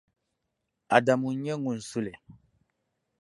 Adamu n-nyɛ ŋun su li.